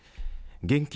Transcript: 現金